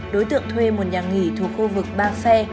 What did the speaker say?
đối tượng thuê một nhà nghỉ thuộc khu vực ba xe